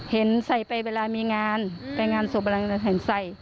เห็นใส่ไปเวลามีงานไปงานสวบลังกายใส่